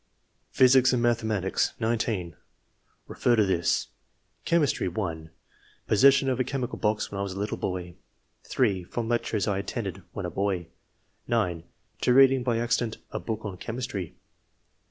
Physics and Mathematics. — (19). [Refer to this.] Chemistry. — (1) Possession of a chemical box when I was a little boy. (3) From lectures I attended when a boy. (9) To reading by acci dent a book on chemistry.